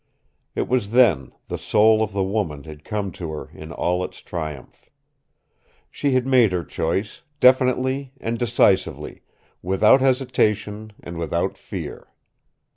It was then the soul of the woman had come to her in all its triumph. She had made her choice, definitely and decisively, without hesitation and without fear.